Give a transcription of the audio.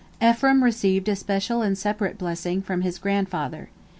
Ephraim received a special and separate blessing from his grandfather.